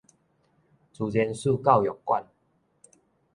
自然史教育館